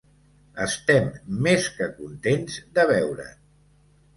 Estem més que contents de veure't.